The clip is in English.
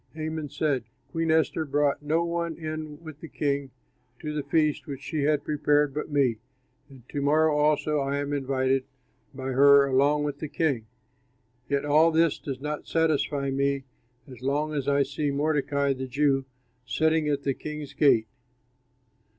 Haman said, "Queen Esther brought no one in with the king to the feast which she had prepared but me, and to morrow also I am invited by her along with the king. Yet all this does not satisfy me as long as I see Mordecai, the Jew, sitting at the king's gate."